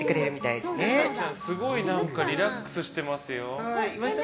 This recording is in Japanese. すごいリラックスしていますよ。